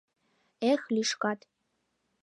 Эх, лӱшкат!